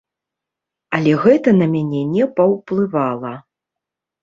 Але гэта на мяне не паўплывала.